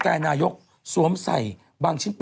จากธนาคารกรุงเทพฯ